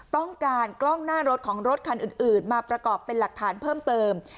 กล้องหน้ารถของรถคันอื่นมาประกอบเป็นหลักฐานเพิ่มเติม